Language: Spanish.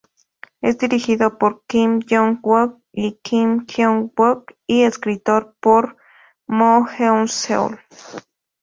Es dirigido por Kim Young-wook y Kim Jeong-wook, y escrito por Mo Eun-seol.